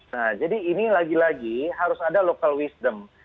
nah jadi ini lagi lagi harus ada local wisdom